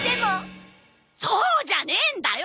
そうじゃねえんだよ！